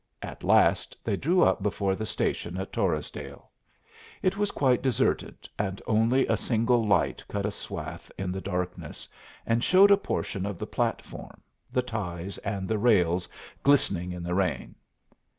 At last they drew up before the station at Torresdale. It was quite deserted, and only a single light cut a swath in the darkness and showed a portion of the platform, the ties, and the rails glistening in the rain.